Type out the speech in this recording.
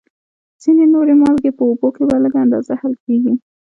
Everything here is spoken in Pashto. ځینې نورې مالګې په اوبو کې په لږ اندازه حل کیږي.